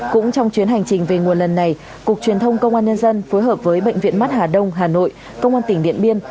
cũng trong chuyến hành trình về nguồn lần này cục truyền thông công an nhân dân phối hợp với bệnh viện mắt hà đông hà nội công an tỉnh điện biên